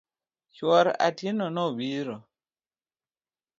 Chuor Atieno no biro.